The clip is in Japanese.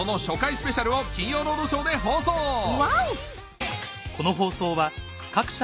スペシャルを『金曜ロードショー』で放送ワオ！